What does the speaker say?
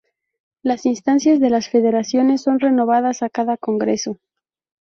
Las instancias de las federaciones son renovadas a cada congreso.